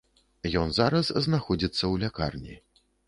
Ён зараз знаходзіцца ў лякарні.